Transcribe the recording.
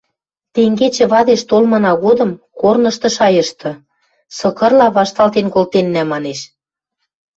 Тенгечӹ вадеш толмына годым корнышты шайышты: сыкырла вашталтен колтеннӓ, манеш.